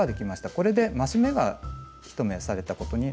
これで増し目が１目されたことになります。